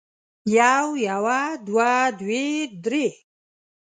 يو يوه دوه دوې درې